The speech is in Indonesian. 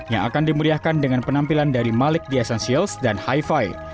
yang akan dimeriahkan dengan penampilan dari malik di essentials dan hi fi